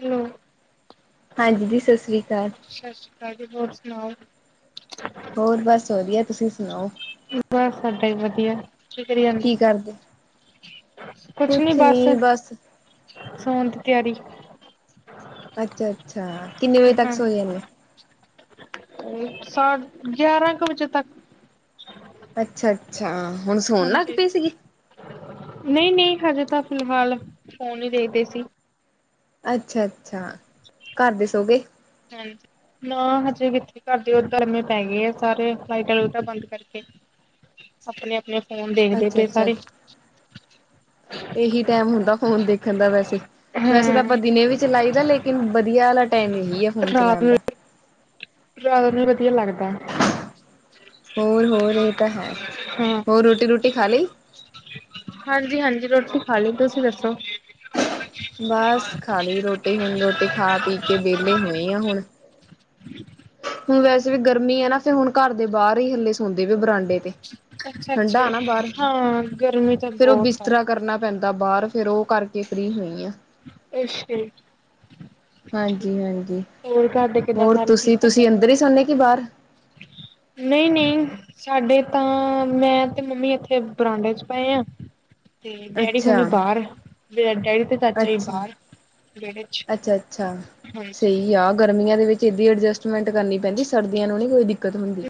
Hello. ਹਾਂਜੀ ਦੀ ਸਤਿ ਸ਼੍ਰੀ ਅਕਾਲ। ਸਤਿ ਸ਼੍ਰੀ ਅਕਾਲ ਜੀ ਹੋਰ ਸੁਣਾਓ। ਹੋਰ ਬਸ ਵਧੀਆ ਤੁਸੀਂ ਸੁਣਾਓ। ਬਸ ਸਾਡਾ ਹੀ ਵਧੀਆ। ਕੀ ਕਰੀ ਜਾਂਦੇ? ਕੁਛ ਨੀ ਬਸ। ਸੌਣ ਦੀ ਤਿਆਰੀ। ਅੱਛਾ-ਅੱਛਾ ਕਿੰਨੇ ਵਜੇ ਤੱਕ ਸੋ ਜਾਨੇ? ਸਾਢ ਗਿਆਰਾਂ ਕੁ ਵਜੇ ਤੱਕ। ਅੱਛਾ-ਅੱਛਾ ਹੁਣ ਸੋਣ ਲੱਗ ਹਾਂਜੀ ਪਈ ਸੀਗੀ? ਨਹੀਂ ਨਹੀਂ ਹਜੇ ਤਾਂ ਫਿਲਹਾਲ ਫੋਨ ਹੀ ਦੇਖਦੇ ਸੀ। ਅੱਛਾ ਅੱਛਾ ਘਰ ਦੇ ਸੋ ਗਏ। ਹਾਂਜੀ [unintelligible] ਨਾ ਹਜੇ ਕਿੱਥੇ ਘਰਦੇ ਆ ਉਹ ਤਾਂ ਐਵੇਂ ਪੈ ਗਏ ਆ ਸਾਰੇ ਲਾਈਟਾਂ ਲੁਟਾਂ ਬੰਦ ਕਰਕੇ। ਆਪਣੇ ਆਪਣੇ ਫੋਨ ਦੇਖਦੇ ਅੱਛਾ ਪਏ ਅੱਛਾ ਸਾਰੇ। ਇਹੀ ਟੈਮ ਹੁੰਦਾ ਫੋਨ ਦੇਖਣ ਦਾ ਵੈਸੇ। ਵੈਸੇ ਤਾਂ ਹਾਂ, ਆਪਾਂ ਦਿਨੇ ਵੀ ਚਲਾਈ ਦਾ ਲੇਕਿਨ ਵਧੀਆ ਵਾਲਾ ਟਾਈਮ ਇਹੀ ਆ ਫੋਨ ਚਲਾਉਣ ਦਾ। ਜ਼ਿਆਦਾ ਨਹੀਂ ਵਧੀਆ ਲੱਗਦਾ। ਹੋਰ ਹੋਰ ਇਹ ਤਾਂ ਹੈ ਹਾਂ ਹੋਰ ਰੋਟੀ ਰੂਟੀ ਖਾ ਲਈ। ਹਾਂਜੀ ਹਾਂਜੀ ਰੋਟੀ ਖਾ ਲਈ ਤੁਸੀਂ ਦੱਸੋ। ਬਸ ਖਾਲੀ ਰੋਟੀ ਹੁਣ ਰੋਟੀ ਖਾ ਪੀ ਕੇ ਵਿਹਲੇ ਹੋਏ ਆ ਹੁਣ। ਹੁਣ ਵੈਸੇ ਵੀ ਗਰਮੀ ਹੈ ਨਾ ਫਿਰ ਹੁਣ ਘਰ ਦੇ ਬਾਹਰ ਹੀ ਹੱਲੇ ਸੌਂਦੇ ਵੀ ਬਰਾਂਡੇ। ਬਰਾਡੇ ਤੇ ਠੰਡਾ ਅੱਛਾ-ਅੱਛਾ ਨਾ ਬਾਹਰ ਜੀ, ਹਾਂ ਗਰਮੀ ਤਾਂ ਫਿਰ ਉਹ ਬਹੁਤ ਆ। ਬਿਸਤਰਾ ਕਰਨਾ। ਪੈਂਦਾ ਬਾਹਰ ਫੇਰ ਉਹ ਕਰਕੇ ਫ੍ਰਰੀ ਹੋਈ ਆ। ਅੱਛਾ ਜੀ। ਹਾਂਜੀ ਹਾਂਜੀ ਹੋਰ ਘਰ ਦੇ ਕਿੱਦਾਂ ਹੋਰ ਸਾਰੇ ਤੁਸੀਂ ਠੀਕ ਆ? ਤੁਸੀਂ ਅੰਦਰ ਹੀ ਸੌਦੇ ਕੀ ਬਾਹਰ। ਨਹੀਂ ਨਹੀਂ। ਸਾਡੇ ਤਾਂ ਮੈਂ ਤੇ ਮੰਮੀ ਇੱਥੇ ਬਰਾਂਡੇ ਚ ਪਏ ਆ। ਤੇ ਡੈਡੀ ਹੁਣੀ ਅੱਛਾ ਬਾਹਰ, ਡੈਡੀ ਤੇ ਚਾਚਾ ਜੀ ਅੱਛਾ ਬਾਹਰ ਵੇੜੇ ਅੱਛਾ -ਅੱਛਾ ਸਈ ਆ ਗਰਮੀਆਂ ਦੇ ਵਿੱਚ ਸਿੱਧੀ ਅਡਜਸਟਮੈਂਟ ਕਰਨੀ ਪੈਂਦੀ ਸਰਦੀਆਂ ਨੂੰ ਨਈ ਕੋਈ ਦਿੱਕਤ ਹੁੰਦੀ।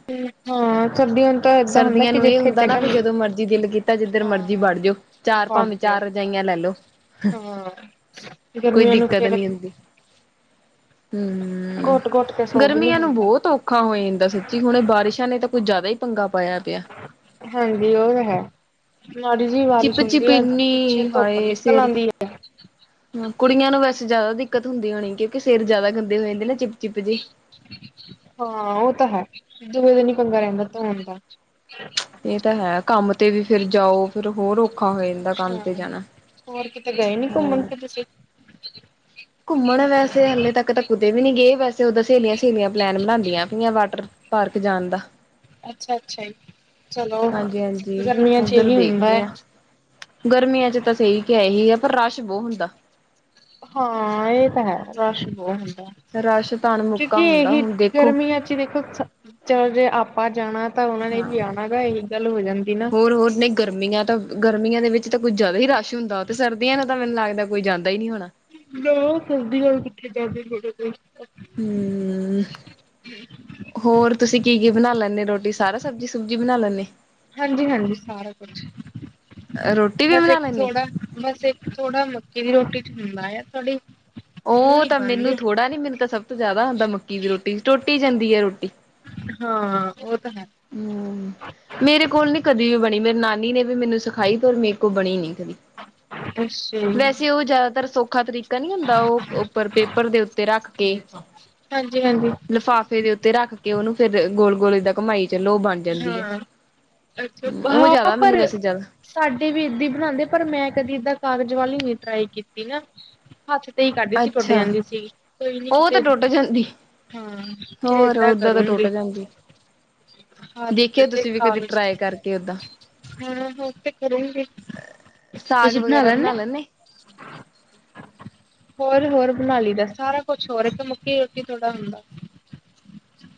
ਹਾਂ ਸਰਦੀਆਂ ਨੂੰ ਤਾਂ ਏਦਾਂ ਹੁੰਦਾ ਸਰਦੀਆਂ ਕਿ ਨੂੰ ਇਹ ਜਿੱਥੇ ਹੁੰਦਾ ਨਾ ਜਗ੍ਹਾ ਵੀ ਮਿਲ ਜਦੋਂ ਮਰਜੀ ਦਿਲ ਕੀਤਾ ਜਿੱਧਰ ਮਰਜ਼ੀ ਹਾਂ, ਵੜ ਜੋ। ਚਾਰ ਵੜ ਭਾਵੇਂ ਜਾਓ, ਚਾਰ ਰਜਾਈਆਂ ਲੈ ਲੋ। ਹਾਂ, ਗਰਮੀਆਂ ਨੂੰ- [unintelligible] ਫੇਰ ਹੂੰ ਘੁੱਟ-ਘੁੱਟ ਕੇ ਸੋ ਵੀ ਨੀ ਗਰਮੀਆਂ ਨੂੰ ਹੁੰਦਾ, ਬਹੁਤ ਔਖਾ ਔਖਾ ਹੋ ਜਾਂਦਾ ਸੱਚੀ ਹੁਣ ਬਾਰਿਸ਼ਾਂ ਨੇ ਤਾਂ ਕੁੱਝ ਜ਼ਿਆਦਾ ਈ ਪੰਗਾ ਪਾਇਆ ਪਿਆ। ਹਾਂਜੀ ਉਹ ਹੈ। ਮਾੜੀ ਜੀ ਵਾਰਿਸ਼ ਚਿਪ ਚਿਪ ਹੁੰਦੀ ਐ, ਪਿੱਛੇ ਇੰਨੀ ਧੁੱਪ ਨਿਕਲ ਆਉਂਦੀ ਐ। ਹਾ, ਕੁੜੀਆਂ ਨੂੰ ਵੈਸੇ ਜਿਆਦਾ ਦਿੱਕਤ ਹੁੰਦੀ ਹੋਣੀ ਕਿਉਂਕਿ ਸਿਰ ਜਿਆਦਾ ਗੰਦੇ ਹੋ ਜਾਂਦੇ ਨੇ ਨਾ ਚਿਪ-ਚਿਪ ਜੇ। ਹਾਂ ਉਹ ਤਾਂ ਹੈ ਦੂਜੇ ਦਿਨ ਈ ਪੰਗਾ ਰਹਿੰਦਾ ਧੋਣ ਦਾ। ਇਹ ਤਾਂ ਹੈ ਕੰਮ ਤੇ ਵੀ ਫਿਰ ਜਾਓ ਫਿਰ ਹੋਰ ਓ ਔਖਾ ਹੋ ਜਾਂਦਾ ਕੰਮ ਤੇ ਹਾਂ ਜਾਣਾ, ਹੋਰ ਕਿਤੇ ਗਏ ਨੀ ਘੁੰਮਣ ਹੋਰ ਫਿਰ ਤੁਸੀਂ ਘੁੰਮਣ ਵੈਸੇ ਹਲੇ ਤੱਕ ਤਾਂ ਕੁਤੇ ਵੀ ਨੀ ਗਏ ਵੈਸੇ ਉਦਾਂ ਸਹੇਲੀਆਂ-ਸਹੇਲੀਆਂ ਪਲੈਨ ਬਣਾਂਦੀਆਂ ਪਈਆਂ ਵਾਟਰ ਪਾਰਕ ਜਾਣ ਦਾ। ਅੱਛਾ-ਅੱਛਾ ਜੀ ਚਲੋ ਹਾਂਜੀ ਹਾਂਜੀ ਗਰਮੀਆਂ ਚ ਉੱਧਰ ਇਹੀ ਹੁੰਦਾ ਦੇਖਦੇ ਐ। ਆ। ਗਰਮੀਆਂ ਚ ਤਾਂ ਸਈ ਕਿਆ ਏਹੀ ਆ ਪਰ ਰਸ਼ ਬਹੁ ਹੁੰਦਾ। ਹਾਂ, ਇਹ ਤਾਂ ਹੈ ਰਸ਼ ਬੋ ਹੁੰਦਾ। ਰਸ਼ ਤਾ ਕਿਉਂਕਿ ਏਹੀ, ਗਰਮੀਆਂ ਚ ਦੇਖੋ ਚਲੋ ਜੇ ਆਪਾਂ ਜਾਣਾ ਤਾਂ ਉਹਨਾ ਨੇ ਵੀ ਆਣਾ ਗਾ ਇਹੀ ਗੱਲ ਹੋ ਜਾਂਦੀ ਨਾ। ਹੋਰ-ਹੋਰ ਨੇ ਗਰਮੀਆਂ ਤਾਂ ਗਰਮੀਆਂ ਦੇ ਵਿੱਚ ਤਾਂ ਕੁੱਝ ਜਿਆਦਾ ਹੀ ਰਸ਼ ਹੁੰਦਾ ਓਤੇ ਸਰਦੀਆਂ ਨੂੰ ਤਾਂ ਮੈਨੂੰ ਲੱਗਦਾ ਕੋਈ ਜਾਂਦਾ ਈ ਨਈ ਹੋਣਾ। ਨਾ, ਸਰਦੀਆਂ ਨੂੰ ਕਿੱਥੇ ਜਾਂਦੇ [unintelligible] ਹੂੰ। ਹੋਰ ਤੁਸੀਂ ਕੀ-ਕੀ ਬਣਾ ਲੈਂਦੇ ਰੋਟੀ ਸਾਰਾ ਸਬਜ਼ੀ ਸੁਬਜੀ ਬਣਾ ਲੈਂਦੇ। ਹਾਂਜੀ-ਹਾਂਜੀ, ਸਾਰਾ ਕੁਛ ਰੋਟੀ ਵੀ ਬਸ ਬਣਾ ਇੱਕ ਲੈਂਦੇ ਥੋੜਾ ਬਸ ਇੱਕ ਥੋੜਾ ਮੱਕੀ ਦੀ ਰੋਟੀ ਚ ਹੁੰਦਾ ਆ ਥੋੜੀ ਉਹ ਨੀ ਤਾਂ ਮੈਨੂੰ ਪਾਂਦੇ ਥੋੜਾ ਨੀ, ਮੈਨੂੰ ਤਾਂ ਸਭ ਤੋਂ ਜਿਆਦਾ ਹੁੰਦਾ ਮੱਕੀ ਦੀ ਰੋਟੀ ਟੁੱਟ ਈ ਜਾਂਦੀ ਐ ਰੋਟੀ। ਹਾਂ, ਉਹ ਤਾਂ ਹੈ। ਹੂੰ। ਮੇਰੇ ਕੋਲ ਨੀ ਕਦੀ ਵੀ ਬਣੀ ਮੇਰੀ ਨਾਨੀ ਨੇ ਵੀ ਮੈਨੂੰ ਸਿਖਾਈ ਪਰ ਮੇਰੇ ਕੋਲ ਬਣੀ ਨੀ ਕਦੀ। [unintelligible] ਵੈਸੇ ਉਹ ਜਿਆਦਾਤਰ ਸੌਖਾ ਤਰੀਕਾ ਨੀ ਹੁੰਦਾ ਉਹ ਉੱਪਰ ਪੇਪਰ ਦੇ ਉੱਤੇ ਰੱਖ ਕੇ। ਹਾਂਜੀ-ਹਾਂਜੀ। ਲਿਫਾਫੇ ਦੇ ਉੱਤੇ ਰੱਖ ਕੇ ਉਹਨੂੰ ਫੇਰ ਗੋਲ-ਗੋਲ ਏਦਾ ਘੁਮਾਈ ਚਲੋ ਓ ਬਣ ਜਾਂਦੀ ਆ। ਹਾਂ, ਅੱਛਾ, ਉਹ ਹਾਂ ਜ਼ਿਆਦਾ ਪਰ ਮੈਨੂੰ ਵੈਸੇ ਜ਼ਿਆਦਾ ਸਾਡੇ ਵੀ ਏਦੇ ਈ ਬਣਾਂਦੇ ਪਰ ਮੈਂ ਕਦੀ ਏਦਾਂ ਕਾਗਜ਼ ਵਾਲੀ ਨੀ ਟਰਾਈ ਕੀਤੀ ਨਾ, ਹੱਥ ਤੇ ਈ ਕਰਦੀ ਸੀ ਟੁੱਟ ਅੱਛਾ ਜਾਂਦੀ ਸੀ, ਕੋਈ ਨੀ ਉਹ ਕਿਤੇ ਤਾਂ ਟੁੱਟ ਜਾਂਦੀ। ਹਾਂ, ਫਿਰ ਹੋਰ ਏਦਾਂ ਓਦਾਂ ਤਾਂ ਟੁੱਟ ਕਰੂੰਗੀ। ਜਾਂਦੀ ਹੱਥ ਦੇਖਿਓ ਤੇ ਤੁਸੀਂ ਵੀ ਕਦੀ ਕਾਗਜ਼ ਟਰਾਈ ਕਰਕੇ ਓਦਾਂ। ਹਾਂ ਹੋਰ ਤੇ ਕਰੂੰਗੀ। ਸਾਗ ਤੁਸੀਂ ਵਗੈਰਾ ਲੈਂਦੇ? ਬਣਾ ਲੈਣੇ। [inaudible] ਹੋਰ-ਹੋਰ ਬਣਾ ਲਈ ਦਾ ਸਾਰਾ ਕੁਛ ਹੋਰ ਇੱਕ ਮੱਕੀ ਰੋਟੀ ਥੋੜਾ ਹੁੰਦਾ।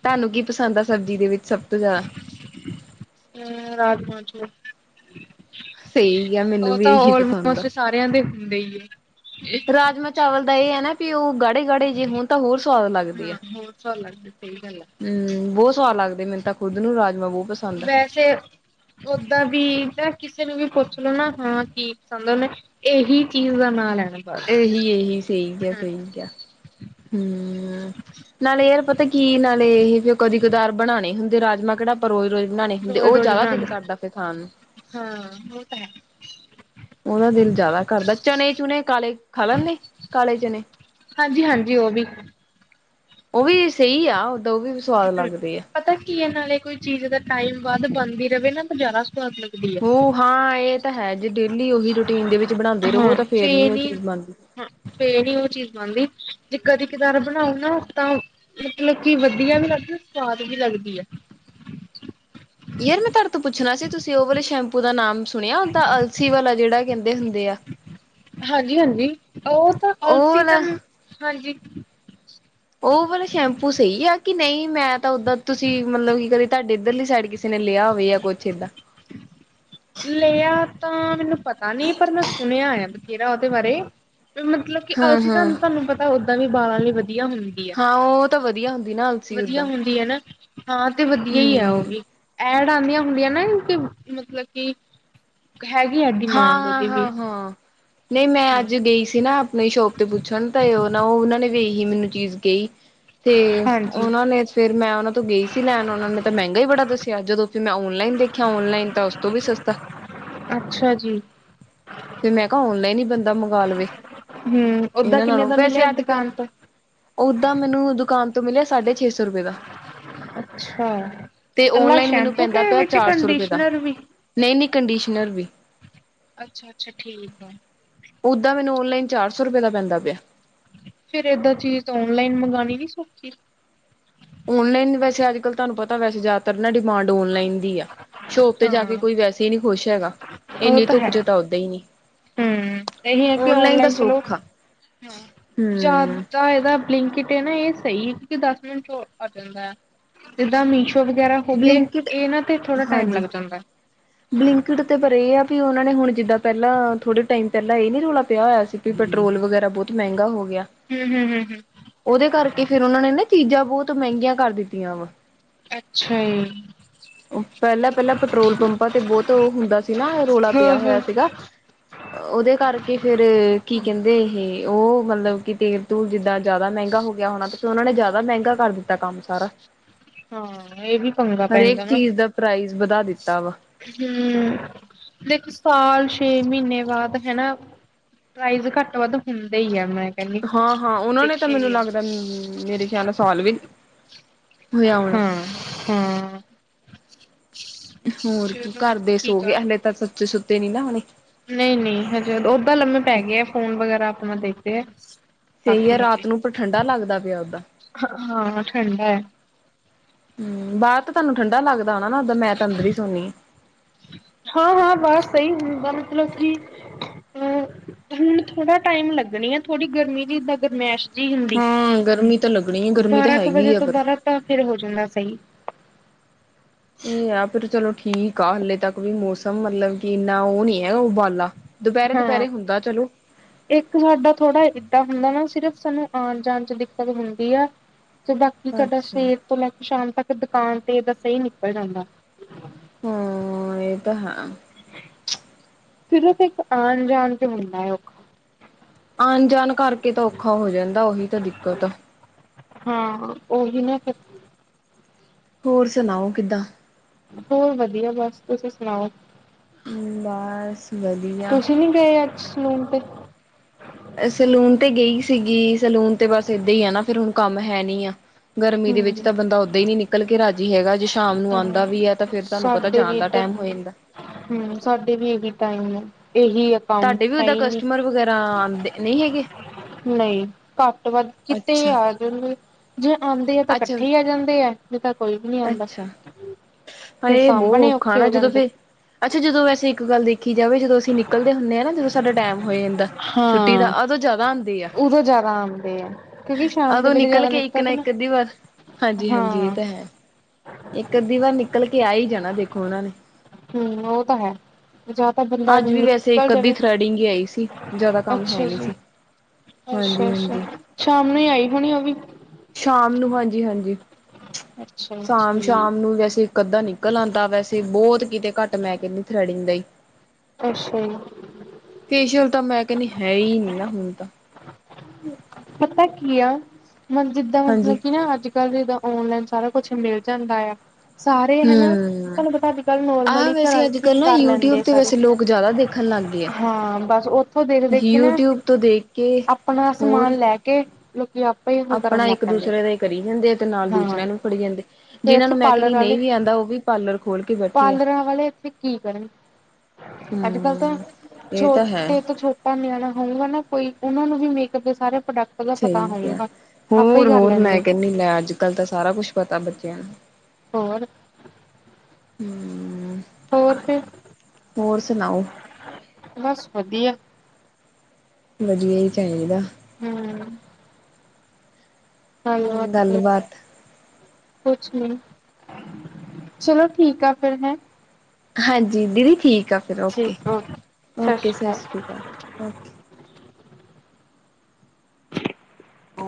ਤੁਹਾਨੂੰ ਕੀ ਪਸੰਦ ਆ ਸਬਜ਼ੀ ਦੇ ਵਿੱਚ ਸਭ ਤੋਂ ਜੈਦਾ। ਹੂੰ, ਰਾਜਮਾ ਚੋਲ। [inaudible] ਸਈ ਆ ਮੈਨੂੰ ਉਹ ਵੀ ਤਾਂ ਇਹੀ ਪਸੰਦ ਆ, ਆਲਮੋਸਟ ਸਾਰਿਆਂ ਦੇ ਹੁੰਦੇ ਹੀ ਹੈ। ਰਾਜਮਾ ਚਾਵਲ ਦਾ ਇਹ ਹੈ ਨਾ ਵੀ ਉਹ ਗੜੇ ਗਾੜੇ ਜੇ ਹੁਣ ਤਾਂ ਹੋਰ ਸਵਾਦ ਹਾਂ ਹੋ [unintelligible] ਸਹੀ ਗੱਲ ਹੁ ਬਹੁਤ ਸਵਾਦ ਲੱਗਦੇ ਮੈਨੂੰ ਖੁਦ ਨੂੰ ਰਾਜਮ ਬਹੁਤ ਪਸੰਦ ਆ। ਵੈਸੇ ਓਦਾਂ ਵੀ ਤਾਂ ਕਿਸੇ ਨੂੰ ਵੀ ਪੁੱਛ ਲੋੋ ਨਾ ਹਾਂ ਕੀ ਪਸੰਦ ਉਹਨੇ ਇਹੀ ਚੀਜ਼ ਦਾ ਨਾਂ ਲੈਣਾ ਬਸ ਇਹੀ, ਇਹੀ ਸਹੀ ਕਹਿਆ ਹਾਂ ਸਹੀ ਕਹਿਆ ਨਾਲੇ ਯਾਰ ਪਤਾ ਕੀ ਨਾਲੇ ਇਹ ਫ ਉਹ ਕਦੇ ਕਦਾਰ ਬਣਾਉਣੇ ਹੁੰਦੇ ਰਾਜਮਾਂ ਕਿਹੜਾ ਆਪਾਂ ਰੋਜ਼ ਰੋਜ਼ ਬਣਾਉਣੇ ਹੁੰਦੇ ਰੋਜ਼ ਉਹ ਰੋਜ਼ ਜ਼ਿਆਦਾ ਦਿਲ ਬਣਾਉਂਦੇ ਕਰਦਾ ਫਿਰ ਖਾਣ ਨੂੰ ਹਾਂ ਹੋ ਤਾਂ ਹੈ। ਉਹਦਾ ਦਿਲ ਜ਼ਿਆਦਾ ਕਰਦਾ ਚਣੇ ਚੁਣੇ ਕਾਲੇ ਖਾ ਲਦੇ ਕਾਲੇ ਚਣੇ ਹਾਂਜੀ, ਹਾਂਜੀ ਉਹ ਵੀ ਉਹ ਵੀ ਸਹੀ ਆ ਓਦਾਂ ਉਹ ਵੀ ਸਵਾਦ ਹੂੰ ਲੱਗਦੇ ਆ ਪਤਾ ਕੀ ਇਹ ਨਾਲੇ ਕੋਈ ਚੀਜ਼ ਦਾ ਟਾਈਮ ਵੱਧ ਬਣਦੀ ਰਵੇ ਨਾ ਤਾਂ ਜ਼ਿਆਦਾ ਸਵਾਦ ਲੱ [unintelligible] ਉਹ ਹਾਂ ਇਹ ਤਾਂ ਹੈ ਜੇ ਡੇਲੀ ਉਹੀ ਰੂਟੀਨ ਦੇ ਵਿੱਚ ਬਣਾਉਂਦੇ ਰਵੋ ਹਾਂ ਤਾਂ ਫੇਰ ਨੀ ਫੇ ਉਹ ਚੀਜ਼ ਬਣਦੀ। ਹਾਂ ਫੇ ਨ ਉਹ ਚੀਜ਼ ਬਣਦੀ। ਜੇ ਕਦੀ ਕਦਾਰ ਬਣਾਓ ਨਾ ਤਾਂ ਮਤਲਬ ਕੀ ਵਧੀਆ ਵੀ ਲੱਗਦਾ ਸਵਾਦ ਵੀ ਲੱਗਦੀ ਏ, ਯਾਰ ਮੈਂ ਤੁਹਾਡੇ ਤੋਂ ਪੁੱਛਣਾ ਸੀ ਤੁਸੀਂ ਉਹ ਵਾਲੇ ਸ਼ੈਂਪੂ ਦਾ ਨਾਮ ਸੁਣਿਆ ਉਹਦਾ ਅਲਸੀ ਵਾਲਾ ਜਿਹੜਾ ਕਹਿੰਦੇ ਹੁੰਦੇ ਆ। ਹਾਂਜੀ, ਹਾਂਜੀ ਉਹ ਤਾਂ ਉਹ ਅਲਸੀ ਦਾ ਵਾਲਾ ਹਾਂਜੀ। ਉਹ ਵਾਲਾ ਸ਼ੈਂਪੂ ਸਹੀ ਆ ਕਿ ਨਹੀਂ ਮੈਂ ਤਾਂ ਓਦਰ ਤੁਸੀਂ ਮਤਲਬ ਕੀ ਕਦੇ ਤੁਹਾਡੇ ਇੱਧਰਲੀ ਸਾਈਡ ਕਿਸੇ ਨੇ ਲਿਆ ਹੋਵੇ ਆ ਕੁਛ ਏਦਾਂ ਲਿਆ ਤਾਂ ਮੈਨੂੰ ਪਤਾ ਨੀ ਪਰ ਮੈਂ ਸੁਣਿਆ ਆ ਬਥੇਰਾ ਉਹਦੇ ਬਾਰੇ ਵੀ ਮਤਲਬ ਹਾਂ ਅਲਸੀ ਹਾਂ ਤਾਂਹ ਤੁਹਾਨੂੰ ਪਤਾ ਓਦਾਂ ਵੀ ਬਾਲਾਂ ਲਈ ਵਧੀਆ ਹੁੰਦੀ। ਹਾਂ ਉਹ ਤਾਂ ਵਧੀਆ ਹੁੰਦੀ ਨਾ [unintelligible] ਅਲਸੀ ਵਧੀਆ ਓਦਾਂ ਹੁੰਦੀ ਹੈ ਨਾ ਹਾਂ ਤੇ ਵਧੀਆ ਹੀ ਹੈ ਉਹ ਹਮ ਵੀ ਐਡ ਆਉਂਦੀਆਂ ਹੁੰਦੀਆਂ ਨਾ ਮਤਲਬ ਕਿ ਹੈਗੀ ਆ ਹਾਂ ਡਿਮਾਂਡ ਹਾਂ ਉਹਦੀ ਵੀ ਹਾਂ ਹਾਂ ਨਹੀਂ ਮੈਂ ਅੱਜ ਗਈ ਸੀ ਨਾ ਆਪਣੀ ਸ਼ੋਪ ਤੇ ਪੁੱਛਣ ਤੇ ਉਹ ਨਾ ਉਹ ਉਹਨਾਂ ਨੇ ਇਹੀ ਮੈਨੂੰ ਚੀਜ਼ ਕਹੀ ਤੇ ਹਾਂਜੀ ਉਹਨਾਂ ਨੇ ਫੇਿਰ ਮੈਂ ਉਹਨਾਂ ਤੋਂ ਗਈ ਸੀ ਲੈਣ ਉਹਨਾਂ ਨੇ ਤਾਂ ਮਹਿੰਗਾ ਹੀ ਬੜਾ ਦੱਸਿਆ ਜਦੋਂ ਫਿਰ ਮੈਂ ਔਨਲਾਈਨ ਦੇਖਿਆ ਔਨਲਾਈਨ ਤਾਂ ਉਸ ਤੋਂ ਵੀ ਸਸਤਾ। ਅੱਛਾ ਜੀ। ਫਿਰ ਮੈਂ ਕਿਹਾ ਔਨਲਾਈਨ ਹੀ ਬੰਦਾ ਮੰਗਵਾ ਲਵੇ ਹਮ ਓਦਾਂ ਇਹਨਾਂ ਕਿੰਨੇ ਨਾਲੋਂ ਦਾ ਮਿਲਿਆ ਵੈਸੇ ਅੱਜ ਕੱਲ ਦੁਕਾਨ ਤੋਂ ਓਦਾਂ ਮੈਨੂੰ ਦੁਕਾਨ ਤੋਂ ਮਿਲਿਆ ਸਾਢੇ ਛੇ ਸੌ ਰੁਪਏ ਦਾ। ਅੱਛਾ ਤੇ ਕੱਲਾ ਔਨਲਾਈਨ ਮੈਨੂੰ ਸ਼ੈਂਪੂ ਪੈਂਦਾ ਕੇ ਪਿਆ ਵਿੱਚ ਚਾਰ ਸੌ ਰੁਪਏ ਦਾ। ਕੰਡੀਸ਼ਨਰ ਵੀ ਨਹੀਂ-ਨਹੀਂ ਕੰਡੀਸ਼ਨਰ ਵੀ। ਅੱਛਾ-ਅੱਛਾ ਠੀਕ ਆ। ਓਦਾ ਮੈਨੂੰ ਨਲਾਈਨ ਚਾਰ ਸੌ ਰੁਪਏ ਦਾ ਪੈਂਦਾ ਪਿਆ। ਫੇਰ ਏਦਾਂ ਚੀਜ਼ ਓਨਲਾਈਨ ਮੰਗਾਣੀ ਨੀ ਸੋਖੀ। ਓਨਲਾਈਨ ਵੈਸੇ ਅੱਜਕੱਲ ਤੁਹਾਨੂੰ ਪਤਾ ਵੈਸੇ ਜ਼ਿਆਦਾਤਰ ਨਾ ਡਿਮਾਂਡ ਔਨਲਾਈਨ ਦੀ ਆ, ਸ਼ੋਪ ਤੇ ਜਾ ਕੇ ਹਾਂ ਕੋਈ ਵੈਸੇ ਨੀ ਖੁਸ਼ ਹੈਗਾ। ਉਹ ਇੰਨੀ ਤਾਂ ਹੈ ਧੁੱਪ ਚ ਤਾ ਓਦਾਂ ਹੀ ਨਹੀਂ। ਹੂੰ ਇਹੀ ਹੈ ਕਿ ਦਾ ਔਨਲਾਈਨ ਚਲੋ, ਸੌਖਾ ਹੂੰ ਹਮ ਜ਼ਿਆਦਾ ਇਹਦਾ ਬਲਿਨਕਿੱਟ ਨਾ ਇਹ ਸਹੀ ਕਿਉਕਿ ਦਸ ਮਿੰਟ ਚ ਆ ਜਾਂਦਾ। ਜਿੱਦਾਂ ਮੀਸ਼ੋ ਵਗੈਰਾ ਹੋਗੇ ਬਲਿੰਕਿਟ ਇਹਨਾਂ ਤੇ ਥੋੜਾ ਟਾਈਮ ਹਾਂਜੀ ਲੱਗ ਜਾਂਦਾ। ਬਲਿੰਕਿਟ ਤੇ ਪਰ ਇਹ ਆ ਵੀ ਉਹਨਾਂ ਨੇ ਹੁਣ ਜਿੱਦਾਂ ਪਹਿਲਾਂ ਥੋੜੇ ਟਾਈਮ ਪਹਿਲਾਂ ਇਹ ਨੀ ਰੌਲਾ ਪਿਆ ਹੋਇਆ ਸੀ ਵੀ ਪੈਟਰੋਲ ਵਗੈਰਾ ਬਹੁਤ ਮਹਿੰਗਾ ਹੋ ਗਿਆ। ਹੂੰ ਹੂੰ ਹੂੰ ਉਹਦੇ ਕਰਕੇ ਫੇਰ ਉਹਨਾ ਨੇ ਨਾ ਚੀਜ਼ਾਂ ਬਹੁਤ ਮਹਿੰਗੀਆਂ ਕਰ ਦਿੱਤੀਆਂ ਵਾ। ਅੱਛਾ ਜੀ। ਪਹਿਲਾਂ-ਪਹਿਲਾਂ ਪੈਟਰੋਲ ਪੰਪਾਂ ਤੇ ਬਹੁਤ ਉਹ ਹੁੰਦਾ ਸੀ ਨਾ ਰੌਲਾ ਪਿਆ ਹਾਂ ਹੋਇਆ ਹਾਂ ਸੀਗਾ। ਉਹਦੇ ਕਰਕੇ ਫੇਰ ਕੀ ਕਹਿੰਦੇ ਇਹ ਉਹ ਮਤਲਬ ਕਿ ਤੇਲ ਤੂਲ ਜਿੱਦਾਂ ਜ਼ਿਆਦਾ ਮਹਿੰਗਾ ਹੋ ਗਿਆ ਹੋਣਾ ਤੇ ਫਿਰ ਉਹਨਾਂ ਨੇ ਜ਼ਿਆਦਾ ਮਹਿੰਗਾ ਕਰ ਦਿੱਤਾ ਕੰਮ ਸਾਰਾ। ਹਾਂ ਇਹ ਵੀ ਪੰਗਾ ਹਰੇਕ ਪੈਂਦਾ ਨਾ ਚੀਜ਼ ਦਾ ਪ੍ਰਾਈਜ਼ ਵਧਾ ਦਿੱਤਾ ਵਾ। ਹੂੰ ਦੇਖੋ ਸਾਲ, ਛੇ ਮਹੀਨੇ ਬਾਅਦ ਹਨਾ ਪ੍ਰਾਈਜ਼ ਘੱਟ ਵੱਧ ਹੁੰਦਾ ਹੀ ਹੈ ਮੈਂ ਕਹਿੰਦੀ। ਹਾਂ-ਹਾਂ ਉਹਨਾਂ ਨੇ ਤਾਂ ਦੇਖਿਆ ਮੈਨੂੰ ਹੀ ਹੈ। ਲੱਗਦਾ ਮੇਰੇ ਖਿਆਲ ਸਾਲ ਵੀ ਹੋਇਆ ਹੋਣਾ। ਹਾਂ, ਹਾਂ ਹੋਰ ਕੀ ਚਲੋ ਘਰਦੇ ਸੋ ਠੀਕ ਗਏ ਆ। ਹਲੇ ਤਾਂ ਸੱਚੇ ਸੁੱਤੇ ਨੀ ਨਾ ਹੋਣੇ। ਨਹੀਂ-ਨਹੀਂ ਹਜੇ ਓਦਾਂ ਲੰਮੇ ਪੈ ਗਏ ਆ ਫੋਨ ਵਗੈਰਾ ਆਪਣਾ ਦੇਖਦੇ ਆ। ਸਹੀ ਹੈ ਬਾਕੀ ਹਜੇ ਰਾਤ ਨੂੰ ਪਰ ਠੰਡਾ ਲੱਗਦਾ ਪਿਆ ਓਦਾਂ। ਹਾਂ ਠੰਡਾ ਹੈ ਹੂੰ ਬਾਹਰ ਤਾਂ ਤੁਹਾਨੂੰ ਠੰਢਾ ਲੱਗਦਾ ਹੋਣਾ ਨਾ ਦਾਂ ਮੈਂ ਤਾਂ ਅੰਦਰ ਹੀ ਸੋਨੀ ਆ। ਹਾਂ-ਹਾਂ ਬਸ ਸਹੀ ਹੁੰਦਾ ਮਤਲਬ ਕਿ ਠੰਡ ਥੋੜਾ ਟਾਈਮ ਲੱਗਣੀ ਥੋੜ੍ਹੀ ਗਰਮੀ ਦੀ ਜਿੱਦਾਂ ਗਰਮੈਸ਼ ਜੀ ਹੁੰਦੀ। ਹਾਂ ਗਰਮੀ ਤਾਂ ਲੱਗਣੀ ਹੈ ਗਰਮੀ ਤਾਂ ਬਾਰਾਂ ਕੁ ਹੈਗੀ ਵਜੇ ਆ ਤੋਂ ਪਰ ਬਾਰਾਂ ਤਾਂ ਫੇਰ ਹੋ ਜਾਂਦਾ ਸਹੀ। ਇਹ ਆ ਫਿਰ ਚਲੋ ਠੀਕ ਆ ਹਾਲੇ ਤੱਕ ਵੀ ਮੌਸਮ ਮਤਲਬ ਕਿ ਇੰਨਾ ਉਹ ਨੀ ਹੈਗਾ ਉਬਾਲਾ। ਹਾਂ ਦੁਪਹਿਰੇ-ਦੁਪਹਿਰੇ ਹੁੰਦਾ ਚਲੋ। ਇੱਕ ਸਾਡਾ ਥੋੜ੍ਹਾ ਏਦਾਂ ਹੁੰਦਾ ਨਾ ਸਿਰਫ਼ ਸਾਨੂੰ ਆਉਣ ਜਾਣ ਚ ਦਿੱਕਤ ਹੁੰਦੀ ਆ। ਤੇ ਬਾਕੀ ਸਾਡਾ ਅੱਛਾ ਸਵੇਰ ਤੋਂ ਲੈ ਕੇ ਸ਼ਾਮ ਤੱਕ ਦੁਕਾਨ ਤੇ ਸਹੀ ਨਿਕਲ ਜਾਂਦਾ। ਹਾਂ ਇਹ ਤਾਂ ਹੈ। ਫਿਰ ਤੇ ਇੱਕ ਆਉਣ ਜਾਣ ਤੇ ਮੁੰਨਾ ਹੈ ਉਹ। ਆਣ-ਜਾਣ ਕਰਕੇ ਤਾਂ ਔਖਾ ਹੋ ਜਾਂਦਾ ਉਹੀ ਤਾਂ ਦਿੱਕਤ ਆ। ਹਾਂ ਉਹੀ ਨਾ ਫਿਰ। ਹੋਰ ਸੁਣਾਓ ਕਿੱਦਾਂ? ਹੋਰ ਵਧੀਆ ਬਸ ਤੁਸੀਂ ਸੁਣਾਓ? ਬਸ ਵਧੀਆ। ਤੁਸੀਂ ਨੀ ਗਏ ਅੱਜ ਸਲੂਨ ਤੇ? ਸੈਲੂਨ ਤੇ ਗਈ ਸੀਗੀ ਸੈਲੂਨ ਤੇ ਬਸ ਏਦਾਂ ਹੀ ਆ ਨਾ ਫਿਰ ਹੁਣ ਕੰਮ ਹੈ ਨੀ ਆ। ਗਰਮੀ ਦੇ ਵਿੱਚ ਹੂੰ ਤਾਂ ਬੰਦਾ ਓਦਾਂ ਹੀ ਨੀ ਨਿਕਲ ਨਿਕਲ ਕੇ ਰਾਜੀ ਹੈਗਾ ਜੇ ਸ਼ਾਮ ਨੂੰ ਹਾਂ ਆਉਂਦਾ ਵੀ ਹੈ ਤਾਂ ਫੇਰ ਤੁਹਾਨੂੰ ਪਤਾ ਸਾਡੇ ਵੀ ਜਾਣ ਦਾ ਇੱਧਰ ਟਾਈਮ ਹੋ ਜਾਂਦਾ। ਹੂੰ ਸਾਡੇ ਵੀ ਇਹੀ ਟਾਈਮ ਆ ਇਹੀ ਆ। ਕੰਮ ਤੁਹਾਡੇ ਵੀ ਹੈ ਓਦਾਂ ਹੀ ਨਹੀਂ। ਕਸਟਮਰ ਵਗੈਰਾ ਆਂਦੇ ਨਹੀਂ ਹੈਗੇ। ਨਹੀਂ ਘੱਟ ਵੱਧ ਕਿਤੇ ਅੱਛਾ। ਯਾਰ ਜੇ ਆਉਂਦੇ ਆ ਤਾਂ ਅੱਛਾ, ਇਕੱਠੇ ਹੀ ਆ ਜਾਂਦੇ ਆ ਨਹੀਂ ਤਾਂ ਕੋਈ ਵੀ ਨੀ ਆਉਂਦਾ। ਅੱਛਾ ਫਿਰ ਹਾਏ ਬਹੁ ਸਾਂਭਣੇ ਔਖਾ ਔਖੇ ਨਾ ਹੋ ਜਦੋਂ ਜਾਂਦੇ। ਫਿਰ ਅੱਛਾ ਜਦੋਂ ਵੈਸੇ ਇੱਕ ਗੱਲ ਦੇ ਦੇਖੀ ਜਾਵੇ ਜਦੋਂ ਅਸੀਂ ਨਿਕਲਦੇ ਹੁੰਦੇ ਹਾਂ ਨਾ ਜਦੋਂ ਸਾਡਾ ਟਾਈਮ ਹੋਏ ਜਾਂਦਾ ਛੁੱਟੀ ਦਾ ਹਾਂ। ਆਦੋਂ ਜ਼ਿਆਦਾ ਆਉਂਦੇ ਆ ਉਦੋਂ ਜ਼ਿਆਦਾ ਆਉਂਦੇ ਆ ਕਿਉਂਕਿ ਸ਼ਾਮ ਦੇ ਉਦੋਂ ਵੇਰੇ ਨਿਕਲ ਜਿਆਦਾ ਕੇ ਇੱਕ ਨਿਕਲਦੇ ਨਾ ਇੱਕ ਅੱਧੀ ਵਾਰ ਹਾਂਜੀ ਹਾਂਜੀ ਇਹ ਹਾਂ। ਤਾਂ ਹੈ ਇੱਕ ਅੱਧੀ ਵਾਰ ਨਿਕਲ ਕੇ ਆ ਹੀ ਜਾਣਾ ਦੇਖੋ ਉਹਨਾਂ ਨੇ ਹਮ ਉਹ ਤਾਂ ਹੈ ਜਾ ਤਾਂ ਬੰਦਾ ਅੱਜ ਵੀ ਵੈਸੇ ਨਿਕਲ ਇੱਕ ਅੱਧੀ ਜਾਵੇ ਥਰੈਡਿੰਗ ਹੀ ਆਈ ਸੀ ਜ਼ਿਆਦਾ ਕੰਮ ਹੈ ਅੱਛਾ ਨਹੀਂ ਜੀ ਸੀ ਅੱਛਾ ਹਾਂਜੀ ਅੱਛਾ ਹਾਂਜੀ ਸ਼ਾਮ ਨੂੰ ਹੀ ਆਈ ਹੋਣੀ ਉਹ ਵੀ ਸ਼ਾਮ ਨੂੰ ਹਾਂਜੀ ਹਾਂਜੀ ਅੱਛਾ ਸ਼ਾਮ ਸ਼ਾਮ ਠੀਕ। ਨੂੰ ਜੈਸੇ ਇੱਕ ਅੱਧਾ ਨਿਕਲ ਆਉਂਦਾ ਵੈਸੇ ਬਹੁਤ ਕਿਤੇ ਘੱਟ ਮੈਂ ਕਹਿੰਦੀ ਥਰੈਡਿੰਗ ਲਈ ਅੱਛਾ ਜੀ ਫੇਸ਼ੀਅਲ ਤਾਂ ਮੈਂ ਕਹਿੰਦੀ ਹੈ ਹੀ ਨਹੀਂ ਨਾ ਹੁਦਾ ਤਾਂ ਪਤਾ ਕੀ ਆ ਮਤ ਜਿੱਦਾਂ ਹਾਂਜੀ ਮਤਲਬ ਕੀ ਨਾ ਅੱਜ ਅੱਜ ਕੱਲ ਜਿੱਦਾਂ ਔਨਲਾਈਨ ਸਾਰਾ ਕੁੱਛ ਮਿਲ ਜਾਂਦਾ ਆ ਸਾਰੇ ਹਨਾ ਹਮ ਤੁਹਾਨੂੰ ਪਤਾ ਅੱਜ ਕੱਲ੍ਹ ਆਹ ਨੋਰਮਲੀ ਘਰਾਂ ਵੈਸੇ ਚ ਅੱਜ ਵੀ ਕੱਲ੍ਹ ਨਾ ਕਰ ਲੈਂਦੇ ਯੂਟਿਊਬ ਆ ਤੇ ਸਾਰੇ ਵੈਸੇ ਲੋਕ ਜ਼ਿਆਦਾ ਦੇਖਣ ਲੱਗ ਗਏ ਆ ਹਾਂ ਬਸ ਉੱਥੋਂ ਦੇਖ ਦੇਖ ਕੇ ਨਾ ਯੂਟਿਊਬ ਤੋਂ ਦੇਖ ਕੇ ਆਪਣਾ ਸਮਾਨ ਹੋਰ ਲੈ ਲੈ ਕੇ ਲੋਕੀ ਆਪ ਆਪਣਾ ਇੱਕ ਦੂਸਰੇ ਦਾ ਕਰੀ ਜਾਂਦੇ ਆ ਤੇ ਨਾਲ ਹਾਂ ਦੂਸਰਿਆਂ ਨੂੰ ਫੜੀ ਜਾਂਦੇ। ਫੇਰ ਜਿਨਾਂ ਇੱਥੇ ਨੂੰ ਮੈਂ ਪਾਰਲਰ ਕਣੀ ਵਾਲੇ ਨਹੀਂ ਵੀ ਆਉਂਦਾ ਉਹ ਵੀ ਪਾਰਲਰ ਖੋਲ ਕੇ ਬੈਠੇ ਆ। ਪਾਰਲਰਾਂ ਵਾਲੇ ਇੱਥੇ ਕੀ ਕਰਨ ਅੱਜ ਕੱਲ ਤਾਂ ਹਮ ਇਹ ਤਾਂ ਹੈ ਛੋਟੇ ਤੋਂ ਛੋ ਨਿਆਣਾ ਹੋਊਗਾ ਨਾ ਕੋਈ ਉਹਨਾ ਨੂੰ ਵੀ ਮੇਕਅਪ ਦੇ ਸਾਰੇ ਪ੍ਰੋਡਕਟ ਦਾ ਪਤਾ ਸਹੀ ਕਿਹਾ ਹੈ ਹੋਊਗਾ ਆਪੇ ਹੀ ਕਰ ਹੋਰ-ਹੋਰ ਲੈਂਦੇ ਮੈਂ ਕਹਿੰਦੀ ਲੈ ਅੱਜ ਕੱਲ ਤਾਂ ਸਾਰਾ ਕੁਛ ਪਤਾ ਬੱਚਿਆਂ ਨੂੰ। ਹੋਰ ਹਮ ਹੋਰ ਹੋਰ ਸੁਣਾਓ ਫਿਰ'ਬਸ ਵਧੀਆ। ਵਧੀਆ ਹੀ ਚਾਹੀਦਾ। ਹਮ [unintelligible] ਹੈਲੋ ਗੱਲਬਾਤ ਕੁਛ ਨੀ' ਚਲੋ ਠੀਕ ਆ ਫਿਰ ਹੈ ਹਾਂਜੀ ਦੀਦੀ ਠੀਕ ਆ ਫਿਰ ਓਕੇ-ਓਕੇ ਸਤਿ ਸ਼੍ਰੀ ਅਕਾਲ ਓਕੇ। ਓ